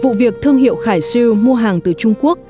vụ việc thương hiệu khải siêu mua hàng từ trung quốc